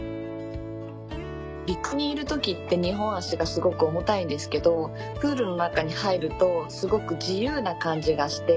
陸にいる時って２本足がすごく重たいんですけどプールの中に入るとすごく自由な感じがして。